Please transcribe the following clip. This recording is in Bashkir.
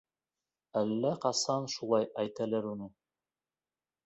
— Әллә ҡасан шулай әйтәләр уны.